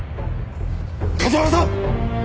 梶原さん！